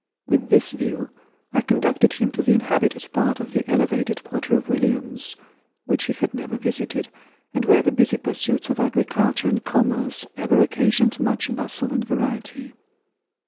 With this view, I conducted him to the inhabited part of the elevated quarter of Williams, which he had never visited, and where the busy pursuits of agriculture and commerce ever occasioned much bustle and variety.